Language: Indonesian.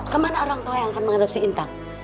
kemana orang tua yang akan mengadopsi intan